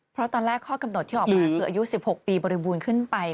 เพราะตอนแรกข้อกำหนดที่ออกมาคืออายุ๑๖ปีบริบูรณ์ขึ้นไป